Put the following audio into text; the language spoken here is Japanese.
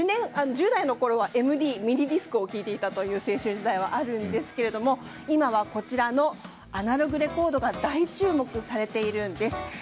１０代のころはＭＤ・ミニディスクを聴いていたという青春時代はあるんですけども今はこちらのアナログレコードが大注目されているんです。